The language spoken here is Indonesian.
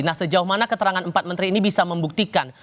nah sejauh mana keterangan empat menteri ini bisa membuktikan